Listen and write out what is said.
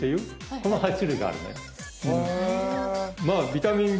この８種類があるね